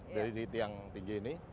dari di tiang tinggi ini